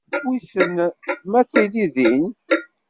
Wissen m ad tili din.